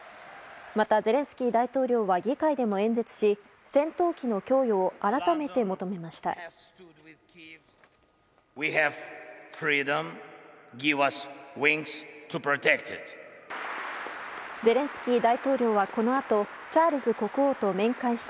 またゼレンスキー大統領は議会でも演説し戦闘機の供与を改めて求めました。